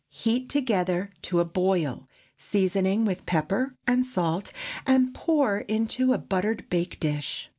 Heat together to a boil, seasoning with pepper and salt, and pour into a buttered bake dish.